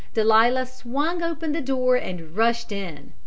Delia swung open the door and rushed in.